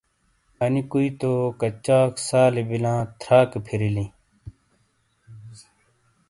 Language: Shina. انہ کُوئی تو کچال سالی بیلاں تھراکے پھِریلیں۔